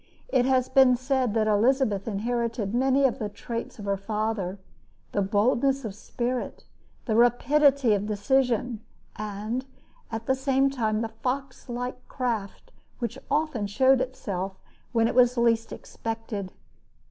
It has been said that Elizabeth inherited many of the traits of her father the boldness of spirit, the rapidity of decision, and, at the same time, the fox like craft which often showed itself when it was least expected.